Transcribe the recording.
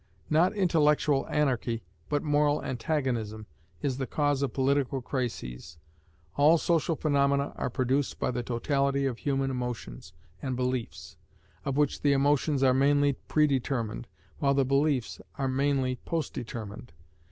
Not intellectual anarchy, but moral antagonism, is the cause of political crises. All social phaenomena are produced by the totality of human emotions and beliefs, of which the emotions are mainly predetermined, while the beliefs are mainly post determined.